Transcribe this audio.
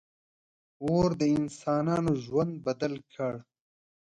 • اور د انسانانو ژوند بدل کړ.